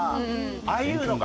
ああいうのか！